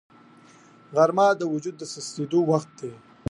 غرمه د وجود سستېدو وخت دی